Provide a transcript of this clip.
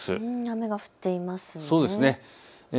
雨が降っていますね。